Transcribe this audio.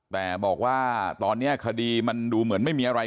แต่บอกว่าตอนนี้คดีมันดูเหมือนไม่มีอะไร